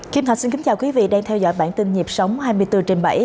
kim thạch xin kính chào quý vị đang theo dõi bản tin nhịp sống hai mươi bốn trên bảy